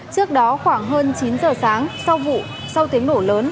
trước đó khoảng hơn chín giờ sáng sau vụ sau tiếng nổ lớn